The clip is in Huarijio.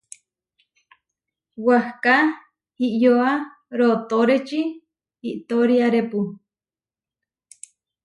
Wahká iʼyoa rootóreči iʼtoriarepu.